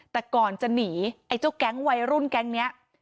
แต่ก่อนจะหนีไอ้เจ้าแก๊งวัยรุ่นแก๊งนี้